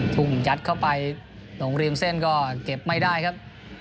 พุ่งยัดเข้าไปหลงริมเส้นก็เก็บไม่ได้ครับ